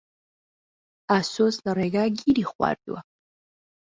ئاسۆس لە ڕێگا گیری خواردووە.